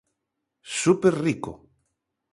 Súper rico.